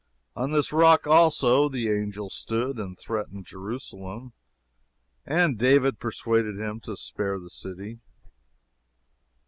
On this rock, also, the angel stood and threatened Jerusalem, and David persuaded him to spare the city.